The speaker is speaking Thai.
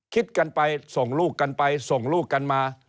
คิดกันไปส่งลูกกันไปส่งลูกกันมา